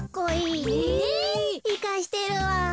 いかしてるわ。